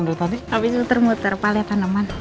gak berapa liat tanaman